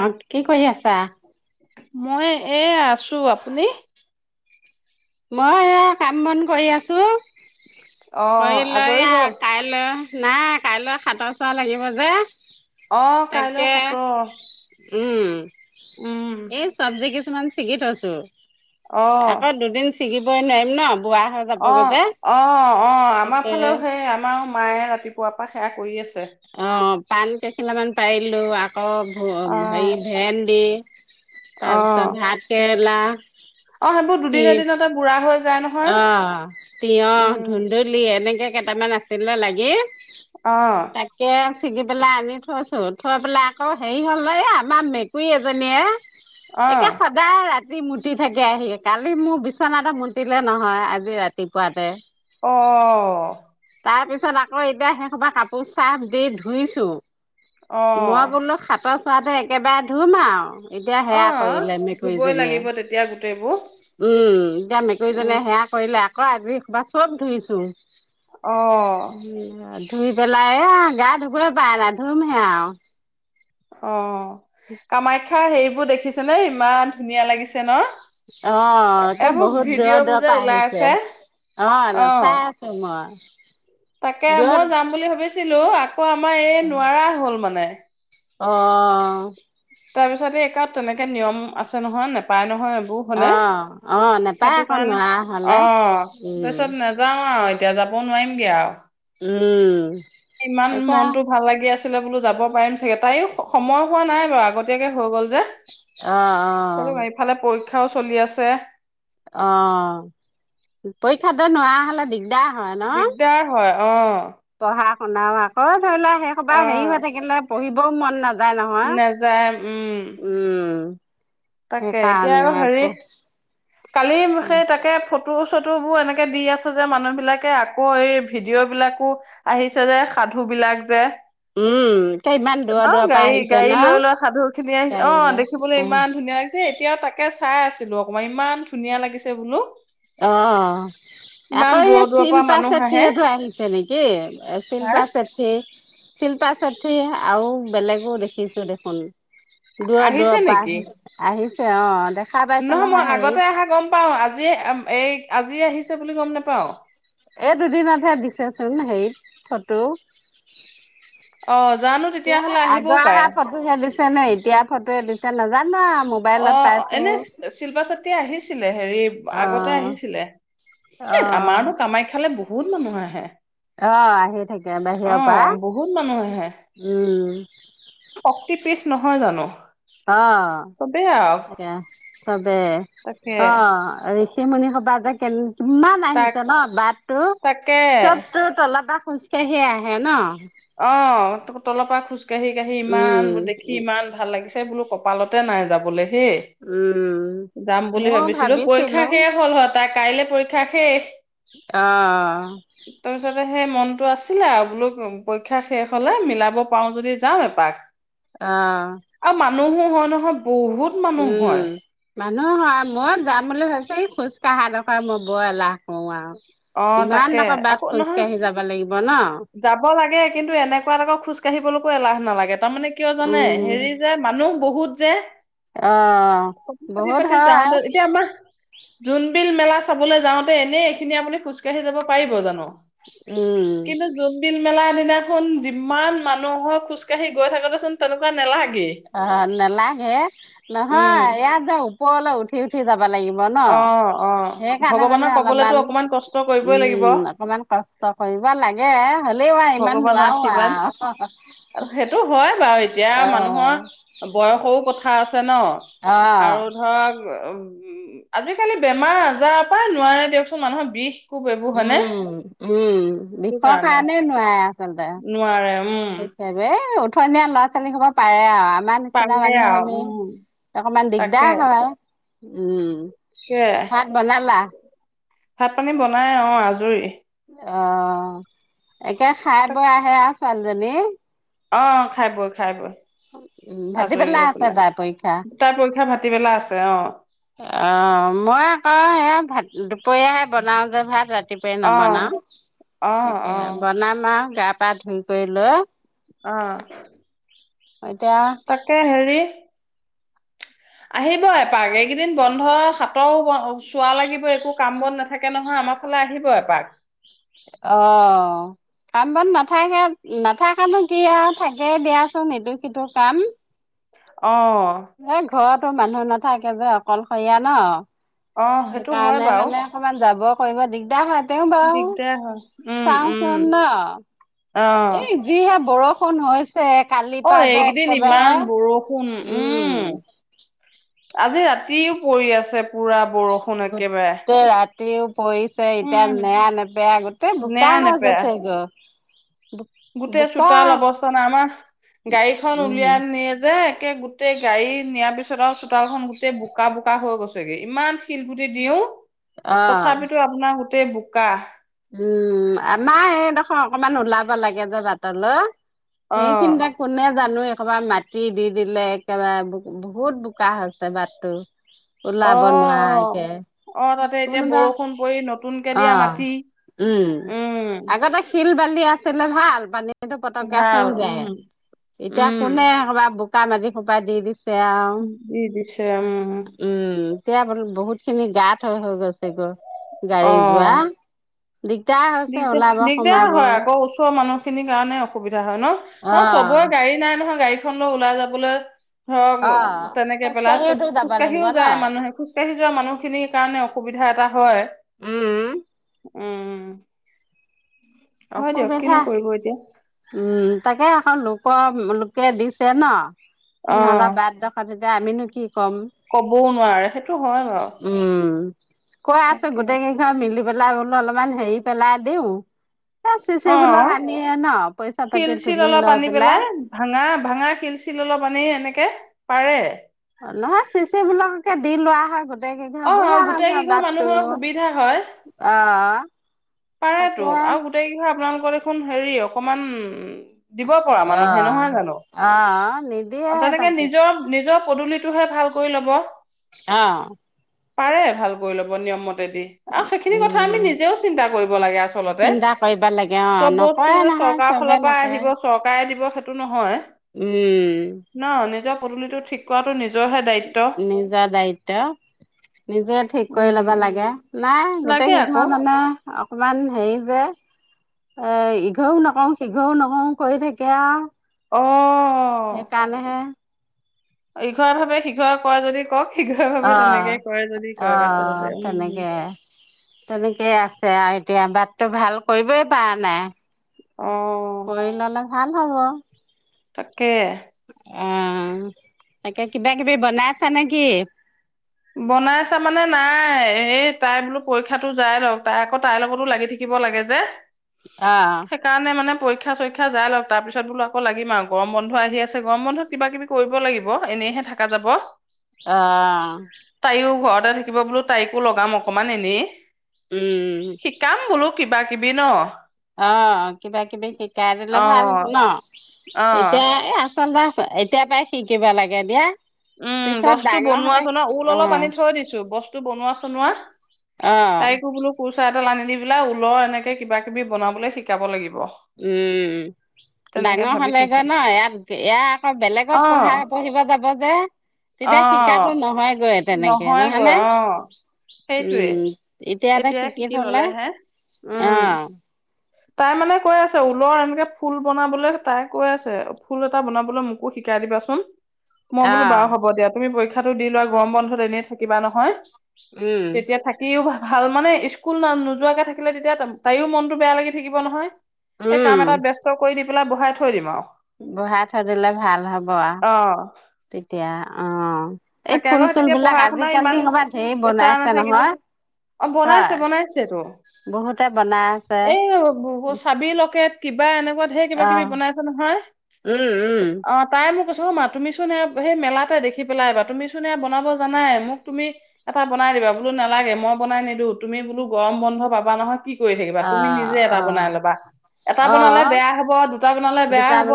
অ' কি কৰি আছা? মই এইয়া। আছো, আপুনি? মই এইয়া কাম বন কৰি আছোঁ। অ কৰি লৈ আজৰি এইয়া হ'ল কাইলৈ। নাই কাইলৈ সাথৰ চোৱা লাগিব যে। অ' কাইলৈ তাকে সাথৰ। উম। এই চব্জি কিছুমান চিগি থৈছোঁ। অ আকৌ দুদিন চিগিবই নোৱাৰিম ন। বুঢ়া হৈ যাবগৈ অ' যে। অ' অ' আমাৰ তাকে ফালেও সেই আমাৰ মাইয়ে ৰাতিপুৱাৰ পৰা সেইয়া অ' পান কেইখিলা মান পাৰিলোঁ। আকৌ অ হেৰি ভেন্দি অ তাৰপিছত ভাতকে ৰলা। অ' সেইবোৰ দুদিন এদিনতে বুঢ়া হৈ যায় নহয় অ' তিয়হ, উম ধুন্দুলী এনেকে। কেইটামান আছিলে লাগি। অ তাকে ছিঙি পেলাই আনি থৈছো থৈ পেলাই আকৌ হেৰি হ'ল নহয় আমাৰ মেকুৰী এজনীয়ে অ একে সদায় ৰাত মুতি থাকেহি কালি মোৰ বিছনাতে মুতি তিলে নহয়, আজি ৰাতিপুৱাতে। অ। তাৰ পিছত আকৌ এতিয়া, সেইসোপা কাপোৰ ছাৰ্ফ দি ধুইছো। অ মই বোলো সাত সাতৰ চুৱাতে একেবাৰে ধুম আৰু। এতিয়া অ সেয়া কৰিলে ধুবই মেকুৰীজনীয়ে, লাগিব তেতিয়া গোটেইবোৰ উম এতিয়া ৰি উম জনিয়ে সেয়া কৰি লে আকৌ আজি সেইসোপা চব ধুইছো। অ। ধুই পেলাই এ আ গা ধুবৱে পাৱা নাই ধুমহে আৰু অ! কামাখ্যা সেই এইবোৰ দেখিছেনে ইমান ধুনীয়া লাগিছে নহ। আহ এতিয়া বহুত দূৰৰ, দূৰৰ যে পৰা ওলাই আছে আহিছে, আহ অ', চাই আছো তাকে মই মই যাম দূৰত। বুলি ভাবিছিলো আকৌ আমাৰ এই নোৱাৰা হ'ল মানে। অ, অ, অ। তাৰ পিছতে এই কাৰ তেনেকে নিয়ম আছে নহয়, নেপায় নহয়। অ বুকুখনে অ নেপায় সেইটো আকৌ কাৰণে, নোৱাৰা হলে অ উম তাৰপিছত নেযাও আৰু এতিয়া যাব। কব নোৱাৰিমগে আৰু। উম। ইমান এতিয়া মনতটো ভাল লাগি আছ। ছিলে বোলো যাব পাৰিম চাগে, তাই স সময় হোৱা নাই বাৰু আগতিয়াকে হৈ গল য। অহ, অহ। কথাও চলি আছে। অ পৰীক্ষা দে নোৱাৰা হলে দিগদাৰ হয় নহ? দিগদাৰ হয় অ। পঢ়া। শুনাওঁ আকৌ ধৰি ললা সেইসোপা হেৰি অ'। হৈ থাকিলে। পঢ়িবও মন নাজ যায় নহয়, নাযায় উম, উম। তাকে এতিয়া আৰু সেইকাৰণে হেৰি কালি সে তাকে ফ ফটো-চটোবোৰ এনেকে দি আছে যে মানুহবিলাকে, আকৌ এই ভিডিঅ' বিলাকো আহিছে যে, সাধু বিলাক যে উম এতিয়া ইমান দূৰৰ ন দূৰৰ পৰা আহিছে গাড়ী-গাড়ী ন লৈ লোৱা সাধু খিনি আহি, অ গাড়ী লৈ দেখিবলৈ অ ইমান ধুনীয়া লাগিছে। এতিয়াও তাকে চাই আছিলো অকণমান ইমান ধুনীয়া লাগিছে বোলো। অ, ইমান আকৌ স দূৰৰ দূৰৰ পৰা চিল্পা মানুহ আহে ছেত্ৰীহত আহিছে নেকি হা চিল্পা চেত্ৰী শিল্পা চেত্ৰী আৰু বেলেগো দেখিছো দেখোন। দূৰ-দূৰৰ আহিছে পৰা নেকি আহি আহিছ অ' দে। নহয় মই আগতে আহা গম পাও আজি এই আজি আহিছে বুলি গম নেপাও। এই দুদিনতে দিছেচোন হেৰিত ফটো। অ জানো তেতিয়াহলে এতিয়া আহিবও পাৰে আগৰহে ফটোহে দিছে নে, এতিয়াৰ ফটো দি নেজানো আ অ', এনে শিল্পা চেত্ৰী আহিছিলে হেৰি অ আগতে আহিছিলে, অ এ আমাৰতো কামাখ্যালে ব বহুত মানুহ আহে। অ', আহি থাকে অ বাহিৰৰ পৰা, বহুত মানুহ আহে উম। [inaudible] শক্তি পিছ নহয় জানো। চবেই আৰু অ', চবেই তাকে অ ষিমুনি সোপা যে কে ইমান তাক আহিছে ন বাটটো, তাকে চব তোৰ তলৰ পা খোজ কাঢ়িয়ে আহে ন। অ', ত তলৰ পৰা খোজ কাহি-কাহি ইমান উম দেখি ইমান ভাল লাগিছে বোলো কপালতে নাই যাবলৈ। সেয়ে, উম যাম বুলি ভাবিছিলো, পৰীক্ষা শেষ হ'ল হয় তাইৰ কাইলৈ পৰী ক্ষা শেষ। অঁ। তাৰপিছতে সেই মনটো আছিলে আৰু বোলো কম পৰীক্ষা শেষ হলে মিলাব পাৰো যদি যাম এপাক। অঁ। মানু্হহো হয় নহয় বহুত মানুহ হয়। মানুহ হয়, মই যাম বুলি ভাবিছোঁ, এই খোজ কাঢ়াটো মই বৰ এলাহ কৰো আৰু। অ', তাকে ইমানডোখৰ বাট আকৌ নহয়, খোজকাঢ়ি যাব লাগিব ন যাব লাগে কিন্তু এনেকুৱা জেগা খোজ কাঢ়ি [unintelligible] এলাহ নালাগে। তাৰমানে কিয় জানে, উম হেৰি যে মানুহ বহুত। যে অ' পাতি বহুত পাতি হয় যাওঁতে এতিয়া আমাৰ জোনবিল মেলা চাবলৈ যাওঁতে এনেই এইখিনি আপুনি খোজকাঢ়ি যাব পাৰিব জানো? উম কিন্তু জোনবিল মেলা দিনা খন যিমান মানুহহো খোজকাঢ়ি গৈ থাকোতে চোন তেনেকুৱা নেলাগে। অ' নালাগে, উম নহয় ইয়াত য ওপৰলৈ উঠি উঠি যাব লাগিব ন, অ অ সেইকাৰণে মানে ভগৱানক পাবলেতো অলপমান, অকমান কষ্ট কৰিবই লাগিব উম অকমান কষ্ট কৰিব লাগে হ'লেও আৰু ইমান ভগৱানৰ নোৱাৰো আশীৰ্বাদ আৰু। বয়সও কথা আছে ন। অ আৰু ধৰক উম। আজিকালি বেমাৰ আজাৰৰ পৰাই নোৱাৰে দিয়কচোন মানুহৰ বিষ কোব এইবোৰ হয়নে উম উম, সেইটো বিষৰ কাৰণে কাৰণেই নোৱাৰে আচলতে, নোৱাৰে উম [unintelligible] পথনীয়া ল'ৰা ছোৱালী হ'ব পাৰে আৰু। আমাৰ নিচিনা পাৰে মানুহে আমি, আৰু উম অকমান তাকে দিগদাৰ হয়। উম। তাকে ভাত বনালা? ভাত পানী বনাই, অ' আজৰি। অ'। একে খাই তাক বৈ আহে আৰ ছোৱালী জনি অ' খাই বই খাই বই, উম, আজৰি ভাটিবেলা হৈ আছে পেলাই, তাইৰ পৰীক্ষা। দুটা পৰীক্ষা ভাতি বেলা আছে। অ'। অ' মই আকৌ সেয়া, ভাত দুপৰীয়াহে বনাও যে ভাত। ৰাতিপুৱাই নবনাও, অ অ তাকে অ আৰু বনাম আৰু গা গা ধুই কৰী লৈ। আহ। এতিয়া তাকে হেৰি আহিব এপাক, এইকেইদিন বন্ধ হাতৰ চোৱা লাগিব, একো কাম বন নাথাকে নহয় আমাৰ ফালে আহিব এপাক। অ কাম বন নাথাকে নাথাকানো কি আও থাকেই দিয়াচোন এটো সিটো কাম অ এ ঘৰতো মানুহ নাথাকে যে অকল সৰীয়া অ ন সেইটো হয় সেইকাৰণে বাৰু মানে অকমান যাব কৰিব দিগদাৰ হয় তেওঁ বাও দিগদাৰ হয় উম উম চাওঁচোন ন অ এ যিহে বৰ পুণৰ হৈছ ছে কালিৰ অ পা যে এইকেইদিন ইমান একেবাৰে বৰষুণ উম আজি ৰাতিও পৰি আছে পুৰা বৰষুণ একেবাৰে তে পৰিছে এতিয়া উম নেৰা নেপেৰা গোটেই বোকা নেৰা হৈ নেপেৰা গৈছে গ। গোটেই চোতাল অৱস্থা নাই, আমাৰ গাড়ীখন উম উলিয়াই নিয়ে যে একে গোটেই গাড়ী নিয়াৰ পিছত [unintelligible] চুতালখন গোটেই বোকা বোকা হৈ গৈছেগে ইমান শিলগুটি দিও। অ' তথাপিতো আপোনাৰ গোটেই বোকা। উম আমাৰ এই দেখোন অকমান ওলাব লাগে যে বাটলৈ। অ সেইখিনিতে কোনে জানোৱে একবাৰ মাটি দি দিলে একেবাৰে বহুত বোকা হৈছে বাটটো। ওলাব অ', নোৱাৰাকে অ', তাতে এতিয়া কোনোবা বৰষুণ পৰি নতুনকে দিয়া অ' মাটি। উম উম আগতে শিল বা আছিলে ভাল পা সেইটো পতককে ভাল শুহি যায় উম এতিয়া উম কোনে সোপা শুকান মাটি শুকাই দি দিছ তেওঁ আও দি দিছে উম উম। সেয়া বহুত খিনি গাত হৈ হৈ গৈছে গৈ। গাড়ী যোৱা। দিগদাৰ হৈছে দিগদা, ওলাব দিগদাৰ সোমাব হয় আকৌ অ ওচৰৰ মানুহ মানুহখিনি কাৰণে অসুবিধা। অসুবিধা হয় ন চবৰে গাড়ী নাই নহয় গাড়ী গাড়ী খন লৈ ওলাই যাবলৈ অ ধৰক তেনেকে পেলা চব খোজকাঢ়িওতো যাব লাগিব খোজকাঢ়িও ন যায় মানুহে খোজ কাঢ়ি যোৱা মানুহ খিনিৰ কাৰণে অসুবিধা এটা। হয়। উম। উম। হয় দিয়ক কিনো অসুবিধা, কৰিব এতিয়া উম। তাকে, আকৌ লোকৰ লোকে দিছে ন। অ সিঁহতৰ বাটডোখৰ [unintelligible] আমিনো কি ক'ম কবও নোৱাৰে, সেইটো হয় বাৰু। উম কৈ আছো তাকে গোটেই কেইঘৰ মিলি বলা বোলো অলপমান হেই পেলাই দিওঁ। চিছেইবোলে হানিয়ে ন? পইচা পাতি শিলচিল তুলি অলপ লৈ আনি পেলাই, ভাঙা ভাঙা শিলচিল অলপ আনি এনেকে। পাৰে। নহয় চিচিবিলাককে দি লোৱা হয়। গোটেই কেইঘৰ অ' বঢ়িয়া গোটেই নামঘৰ কেইঘৰ বাটটো মানুহৰ সুবিধা হয়, আহ পাৰে তু তাকে আৰু গোটেই কেইঘৰ আপোনালোকৰ দেখোন হেৰি অকণমান দিব পৰা মানুহে, আহ নহয় জানো, আহ নিদিয়ে তেনেকে তাকে নিজৰ নিজৰ পদলিটোহে ভাল কৈ ল'ব। অ'। পাৰে ভাল কৰি ল'ব নিয়ম মত আৰু সেইখিনি কথা আমি উম নিজেও চিন্তা কৰিম। লাগে। আচলতে, চিন্তা কৰিব লাগে অ চব বস্তু নকৰে যে নহয় চৰকাৰৰ চবে ফালৰ পৰা নকৰে আহিব চৰকাৰে দিব সেতু সেইটো নহয়। উম ন নিজৰ পদুলিতো ঠিক কৰাটো নিজৰহে দায়িত্ব নিজা দায়িত্ব। নিজে ঠিক উম কৰি ল'ব লাগে। নাই লাগে গোটেই আকৌ সিদাহ মানে অকণমান হেৰি যে এ ইঘৰও নকওঁ সিঘৰও নকওঁ কৰি থাকে আৰু। অ সেইকাৰণে হে। ইঘৰে ভাৱে সিঘৰে কৰে যদি কৰক। অ' আচলতে -অ' উম তেনেকে- তেনেকে আছে আৰু এতিয়া বাটতো ভাল কৰিবই পৰা নাই। কৰি ললে অঁ। ভাল হ'ব। [inaudible] কে অ তাকে কিবা কিবি বনাই আছা নেকি। বনাইছা মানে নাই এই তাই বোলো পৰীক্ষাটো যাই লক। তাই আকৌ তাইৰ লগতো লাগি থাকিব লাগে যে। অ সেইকাৰণে মানে পৰী ক্ষা চৰিক্ষা যাই লওক তাৰ পিছত বোলো আকৌ লাগি আৰু গৰম বন্ধ আহি আছে গৰম বন্ধত কিবা কিবি কৰিব লাগিব এনেহে থাকা যাব। অ'। তাইও ঘৰত তে থাকিব বোলো তাইকো লগাম অকনমান এনেই। উম শিকাম বোলো কিবা কিবি ন। অ', কিবা কিবি শিকাই দিলে অ ভাল ন, অ এতিয়া এ আচলতে এতিয়া পৰাই শিকিব লাগে দিয়া। উম, পিছত বস্তু ডাঙৰ বনোৱা হলে চনোৱা ঊল অ অলপ আনি থৈ দিছো, বস্তু বনোৱা চনোৱা অ তাইকো বোলো কুৰ্চা এডাল আনি দি পেলাই ঊলৰ এনেকে কিবা কিবি বনাবলৈ শিকাব লাগি উম, ডাঙৰ ভাবি হ'লে গৈ থৈছো ন ইয়াত এয়া আকৌ অ বেলেগত পঢ়া পঢ়িব যাব যে। অ তেতিয়া শিকাতো নহয়গৈ তেনেকে নহয়গৈ নহয়নে, অ সেইটোৱে উম এতিয়াতে এতিয়া শিকি থলে, ললেহে উম অঁ। তাই মানে কৈ আছে ঊলৰ এনেকে ফুল বনাবলৈ তাই কৈ আছে ফুল এটা বনাবলৈ মোকো শিকাই দিবাচোন। মই বোলো বাৰু অ', হ''ব দিয়া, তুমি পৰী ক্ষাটো দি লোৱা গৰম বন্ধত এনেই থাকিবা নহয়। উম, তেতিয়া থাকিও ভা ভাল মানে স্কুল ন নোযোৱাকে থাকিলে তেতিয়া তাইও মনটো বেয়া লাগি থাকিব নহয়। এই উম, কাম এটা ব্যস্ত কৰি দিম। পেলাই বহাই থৈ দিম আৰু। বহাই থৈ দিলে ভাল হ'ব আও। অ তেতিয়া অ'। এই তাকে ফুল আকৌ চুল তেতিয়া বিলাক পঢ়াশুনা আজিকালি ইমান ক'ৰবাত ধেৰ প্ৰেচাৰ বনাইছে নাথাকিব নহয় অ', বনাইছে হয়, বনাইছেটো, বহুতে বনাই আছে। এই চাবিৰ লকেট কিবা এনে ধেৰ কিবা কিবি অ', বনাইছে নহয় উম, উম, অ', তাই মোক [unintelligible] মা তুমিচোন সেই মেলাতে দেখি পেলাই এবা তুমি চোন সেয়া বনাব জানাই, মোক তুমি এটা বনাই দিবা, বোলো নেলাগে মই বনাই নিদো, তুমি বোলো গৰম বন্ধ পাবা নহয় কি কৰি থাকিবা, তুমি অ', নিজে এটা বনাই অ', ল'বা, এটা বনালে অ', বেয়া হব দু দুটা ব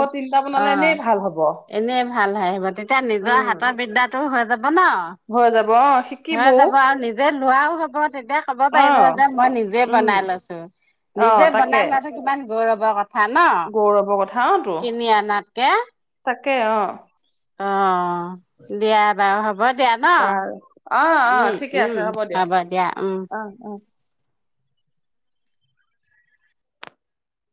অ', ভাল হ'ব এনেই ভাল হয় আহিব, তেতিয়া নিজৰ উম হাতৰ বিদ্যাত সেইবোৰ হৈ যা [unintelligible] ন হৈ যাব অ হৈ শিকিবও যাব আৰু নিজে লোৱাও হব, তেতিয়া ক'ব অ পাৰিব যে মই নিজে উম বনাই লৈছো। অ নিজে তাকে বনাই নো কিমান গৌৰবৰ ক থা ন। থাটো। তাকে। তাকে অ', অঁ। দিয়া বাৰু, হ'ব দিয়া ন, বাৰু। অ অ উম ঠিকে আছে উম দিয়ক হ'ব দিয়া, উম। অ অ